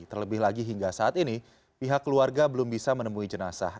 terlebih lagi hingga saat ini pihak keluarga belum bisa menemui jenazah